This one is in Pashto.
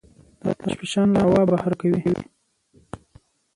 د آتش فشان لاوا بهر کوي.